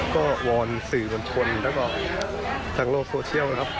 ก็วอนสื่อมวลชนแล้วก็ทางโลกโซเชียลนะครับ